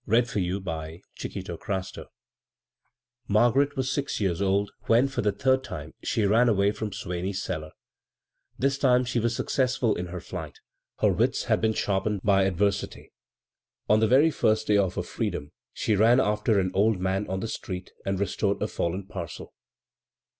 b, Google CHAPTER XI MARGARET was six years old when for the third time she ran away from Swane/s cellar. This time she was successful in her flight — ^her wits had been sharpened by adversity. On the very first day of her freedom she ran after an old man on the street and restored a fallen parcel.